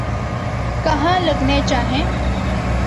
کہاں لگنے چاہئیں۔